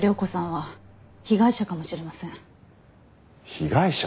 被害者？